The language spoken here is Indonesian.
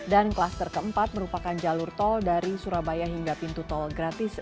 dan klaster keempat merupakan jalur tol dari surabaya hingga pintu tol gratis